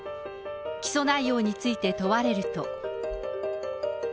起訴内容について問われると。